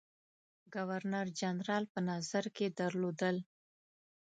ګورنر جنرال په نظر کې درلودل.